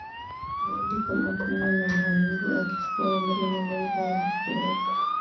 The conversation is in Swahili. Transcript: zaidi kama pumu na maumivu ya kifua Umri magonjwa yaliyokuwepo